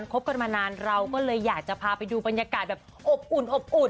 คบกันมานานเราก็เลยอยากจะพาไปดูบรรยากาศแบบอบอุ่นอบอุ่น